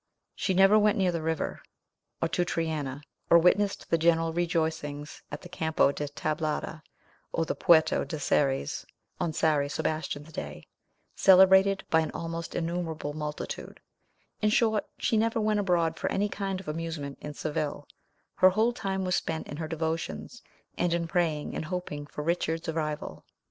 She never went near the river, or to Triana, or witnessed the general rejoicings at the Campo de Tablada, or the Puerta de Xeres on Sari Sebastian's day, celebrated by an almost innumerable multitude; in short, she never went abroad for any kind of amusement in Seville; her whole time was spent in her devotions, and in praying and hoping for Richard's arrival.